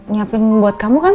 nyiapin buat kamu kan